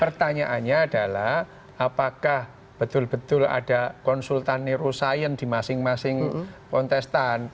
pertanyaannya adalah apakah betul betul ada konsultan neuroscience di masing masing kontestan